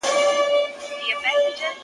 گواکي موږ به تل له غم سره اوسېږو-